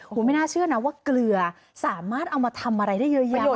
ผมไม่น่าเชื่อนะว่าเกลือสามารถเอามาทำอะไรได้เยอะแย้งมากใหม่นะ